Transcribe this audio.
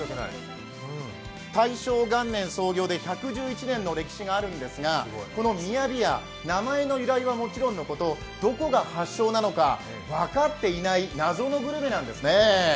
大正元年創業で１１１年の歴史があるんですが、このミヤビヤ、名前の由来はもちろんのこと、どこが発祥なのか分かっていない謎のグルメなんですね。